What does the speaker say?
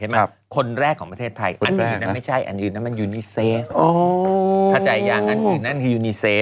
ไอ้มั้ยคนแรกของประเทศไทย